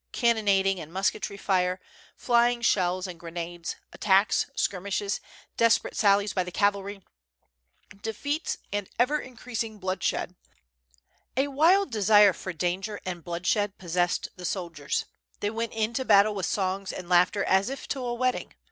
cannonading and musketry fire, flying shells and grenades, attacks, skirmishes, desperate sallies by the cavalry, defeats, and ever increasing bloodshed. "WITH FIRE AND SWORD. 739 A wild desire for danger and bloodshed possessed the sol diers. They went into battle with songs and laughter as if to a wedding.